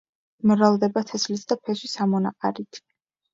მრავლდება თესლით და ფესვის ამონაყარით.